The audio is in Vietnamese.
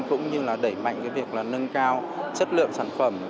cũng như là đẩy mạnh việc nâng cao chất lượng sản phẩm